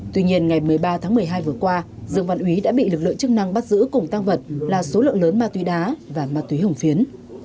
tuy nhiên ngày một mươi ba tháng một mươi hai vừa qua dương văn úy đã bị lực lượng chức năng bắt giữ cùng tăng vật là số lượng lớn ma túy đá và ma túy hồng phiến